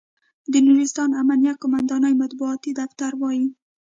د نورستان امنیه قوماندانۍ مطبوعاتي دفتر وایي،